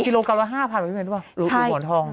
กิโลกรัมละ๕พันเมตได้ไหมเมรูปรูหมอนทอง